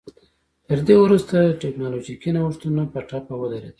تر دې وروسته ټکنالوژیکي نوښتونه په ټپه ودرېدل